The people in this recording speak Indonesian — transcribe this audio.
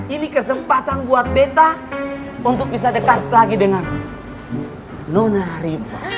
ini kesempatan buat beta untuk bisa dekat lagi dengan nonari